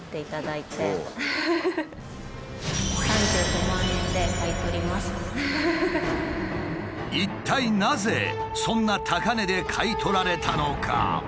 そうしたら一体なぜそんな高値で買い取られたのか？